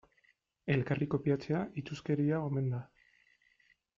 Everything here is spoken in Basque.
Elkarri kopiatzea itsuskeria omen da.